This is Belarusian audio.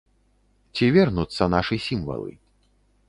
Ці вернуцца нашы сімвалы?